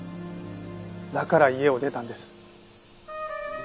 だから家を出たんです。